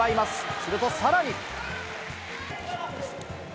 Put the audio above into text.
するとさらに。